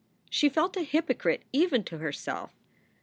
She felt a hypocrite even to herself.